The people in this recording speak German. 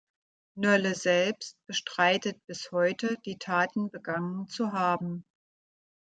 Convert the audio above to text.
Nölle selbst bestreitet bis heute, die Taten begangen zu haben.